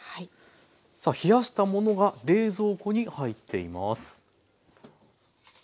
さあ冷やしたものが冷蔵庫に入っています。